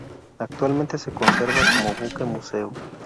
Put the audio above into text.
Actualmente se conserva como buque museo.